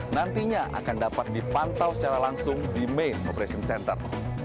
nantinya akan dapat dipantau secara langsung di main operation center